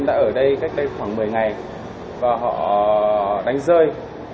đã ở đây cách đây khoảng một mươi ngày và họ đánh rơi